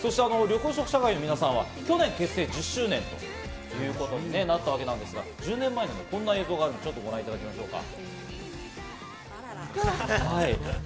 そして緑黄色社会の皆さんは去年、結成１０周年となったわけですが、１０年前のこんな映像があるので、ちょっとご覧いただきましょうか。